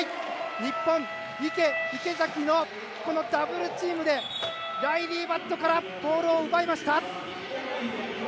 日本、池と池崎のダブルチームでライリー・バットからボールを奪いました。